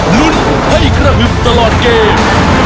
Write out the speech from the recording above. ลุ้นให้กระหึ่มตลอดเกม